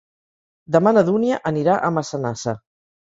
Demà na Dúnia anirà a Massanassa.